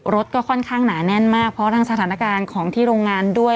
รถก็ค่อนข้างหนาแน่นมากเพราะทั้งสถานการณ์ของที่โรงงานด้วย